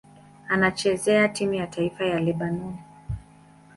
Anachezea timu ya taifa ya Lebanoni.